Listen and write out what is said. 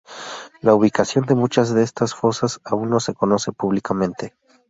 La ubicación de muchas de estas fosas aún no se conoce públicamente.